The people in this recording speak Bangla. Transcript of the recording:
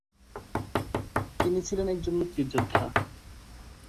তিনি ছিলেন একজন মুক্তিযোদ্ধা।